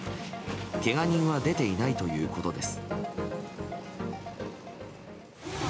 けが人は出ていないということです。